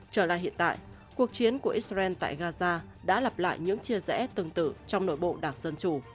trở lại hiện tại cuộc chiến của israel tại gaza đã lặp lại những chia rẽ tương tự trong nội bộ đảng dân chủ